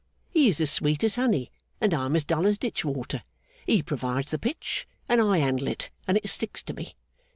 He is as sweet as honey, and I am as dull as ditch water. He provides the pitch, and I handle it, and it sticks to me.